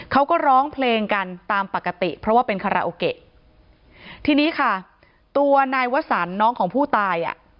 เขาก็ร้องเพลงกันตามปกติเพราะว่าเป็นคาราโอเกะทีนี้ค่ะตัวนายวสันน้องของผู้ตายอ่ะ